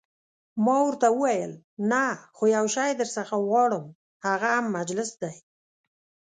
ما ورته وویل: نه، خو یو شی درڅخه غواړم، هغه هم مجلس دی.